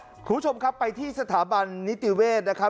คุณผู้ชมครับไปที่สถาบันนิติเวศนะครับ